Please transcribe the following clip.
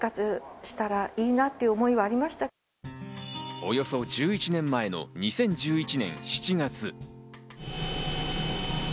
およそ１１年前の２０１１年７月。